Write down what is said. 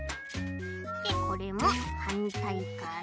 でこれもはんたいから。